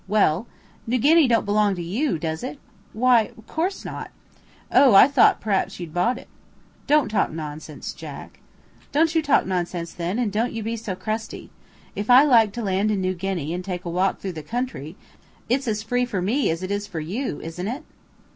"Well?" "New Guinea don't belong to you, does it?" "Why, of course not." "Oh, I thought p'r'aps you'd bought it." "Don't talk nonsense, Jack." "Don't you talk nonsense then, and don't you be so crusty. If I like to land in New Guinea, and take a walk through the country, it's as free for me as it is for you, isn't it?"